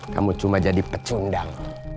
kamu cuma jadi pecundang